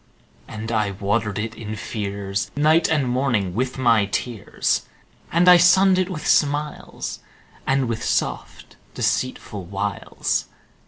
And I watered it in fears, Night and morning with my tears; And I sunned it with smiles, And with soft deceitful wiles.